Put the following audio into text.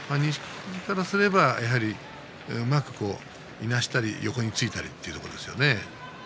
富士からすればうまくいなしたり横についたりすることですね。